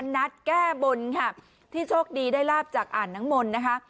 นัดแก้บนค่ะที่โชคดีได้ลาบจากอ่างน้ำมนต์นะคะ